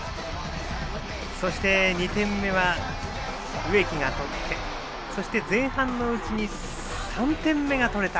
そして２点目は植木が取ってそして前半のうちに３点目が取れた。